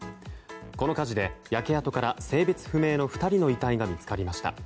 この火事で焼け跡から性別不明の２人の遺体が見つかりました。